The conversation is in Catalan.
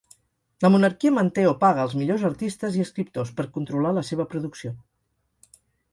La monarquia manté o paga els millors artistes i escriptors, per controlar la seva producció.